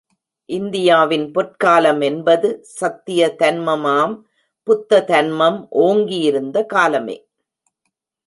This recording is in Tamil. இந்தியாவின் பொற்காலம் என்பது சத்திய தன்மமாம் புத்த தன்மம் ஓங்கியிருந்த காலமே.